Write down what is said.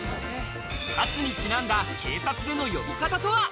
カツにちなんだ警察での呼び方とは？